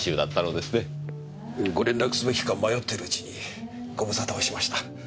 ご連絡すべきか迷ってるうちにご無沙汰をしました。